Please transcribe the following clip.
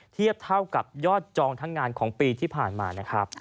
เทียบเท่ากับยอดจองทั้งงานของปีที่ผ่านมานะครับ